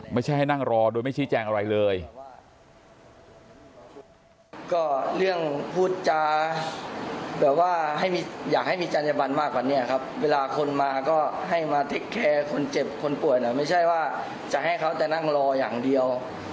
ไม่ใช่ให้นั่งรอโดยไม่ชี้แจงอะไรเลย